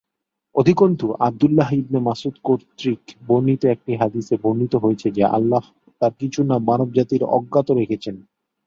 অধিকন্তু Abdullah ibn Masud কর্তৃক বর্ণিত একটা হাদিসে বর্ণিত হয়েছে যে, আল্লাহ্ তার কিছু নাম মানবজাতির অজ্ঞাত রেখেছেন।